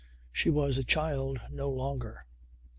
She was a child no longer.